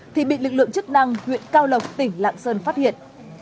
thì bị lực lượng chức năng huyện cao lộc tỉnh lạng sơn phát hiện